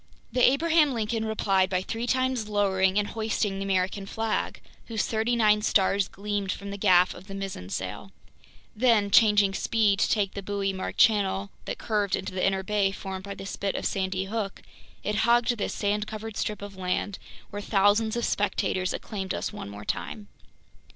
The Abraham Lincoln replied by three times lowering and hoisting the American flag, whose thirty nine stars gleamed from the gaff of the mizzen sail; then, changing speed to take the buoy marked channel that curved into the inner bay formed by the spit of Sandy Hook, it hugged this sand covered strip of land where thousands of spectators acclaimed us one more time.